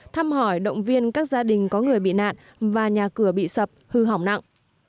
thăm hỏi động viên các gia đình có người bị nạn và nhà cửa bị sập hư hỏng nặng